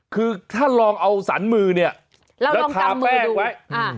คือถ้าลองเอาสรรมือเนี่ยแล้วทาแป้งไว้